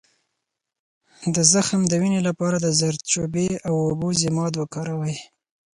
د زخم د وینې لپاره د زردچوبې او اوبو ضماد وکاروئ